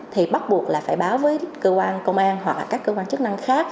thì bắt buộc là phải báo với cơ quan công an hoặc là các cơ quan chức năng khác